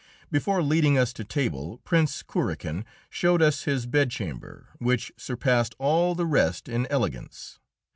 Before leading us to table Prince Kurakin showed us his bedchamber, which surpassed all the rest in elegance.